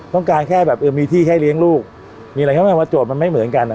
ต้องการแค่แบบเออมีที่ให้เลี้ยงลูกมีอะไรเข้ามาว่าโจทย์มันไม่เหมือนกัน